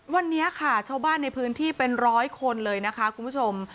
วันนี้ค่ะชาวบ้านในพื้นที่เป็นร้อยคนเลยนะคะคุณผู้ชม